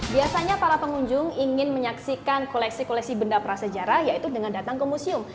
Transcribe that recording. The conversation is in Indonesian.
biasanya para pengunjung ingin menyaksikan koleksi koleksi benda prasejarah yaitu dengan datang ke museum